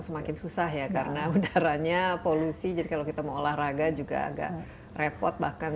semakin susah ya karena udaranya polusi jadi kalau kita mau olahraga juga agak repot bahkan